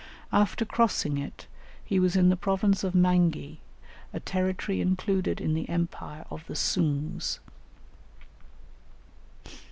After crossing it he was in the province of Mangi, a territory included in the Empire of the Soongs.